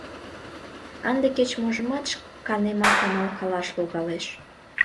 Ынде кеч-можымат шканемак амалкалаш логалеш.